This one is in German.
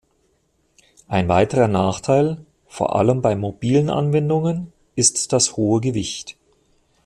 Ein weiterer Nachteil, vor allem bei mobilen Anwendungen, ist das hohe Gewicht.